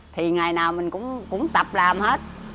thì ngày nào mình cũng tập làm hết